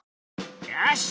よし！